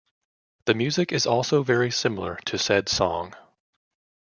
The music is also very similar to said song.